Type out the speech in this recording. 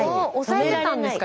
抑えてたんですか？